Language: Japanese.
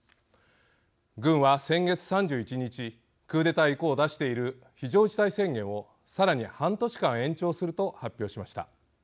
軍は、先月３１日クーデター以降出している非常事態宣言をさらに半年間延長すると発表しました。